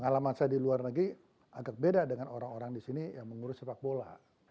lagipun agak beda dengan orang orang di sini yang mengurus sepak bola